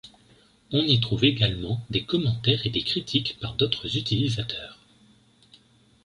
On y trouve également des commentaires et des critiques par d'autres utilisateurs.